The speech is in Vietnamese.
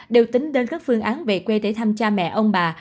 đều tính đến các phương án về quê để thăm cha mẹ ông bà